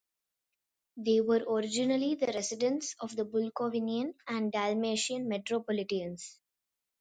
They were originally the residence of the Bukovinian and Dalmatian Metropolitans.